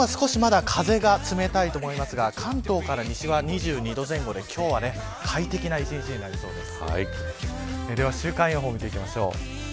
北日本は少しまだ風が冷たいと思いますが関東から西が２２度前後で今日は快適な一日になりそうです。